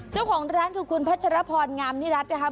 เจ้าของร้านคือคุณพัชรพรงามนิรัตินะครับ